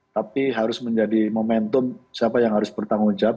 tapi harus menjadi momentum siapa yang harus bertanggung jawab